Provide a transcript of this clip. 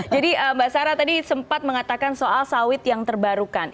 jadi mbak sarah tadi sempat mengatakan soal sawit yang terbarukan